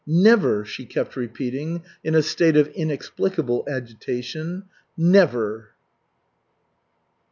"Never!" she kept repeating in a state of inexplicable agitation, "Never!"